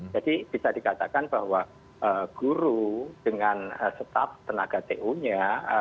bisa dikatakan bahwa guru dengan staff tenaga tu nya